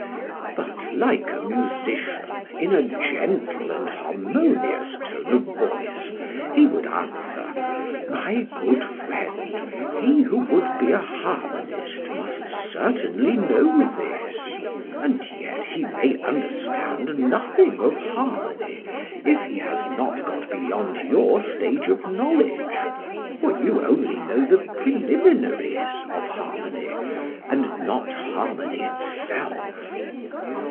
But like a musician, in a gentle and harmonious tone of voice, he would answer: 'My good friend, he who would be a harmonist must certainly know this, and yet he may understand nothing of harmony if he has not got beyond your stage of knowledge, for you only know the preliminaries of harmony and not harmony itself.'